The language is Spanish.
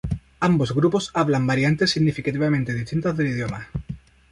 Ambos grupos hablan variantes significativamente distintas del idioma.